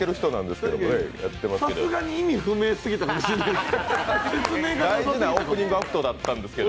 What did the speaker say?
さすがに意味不明すぎたかもしれないですね。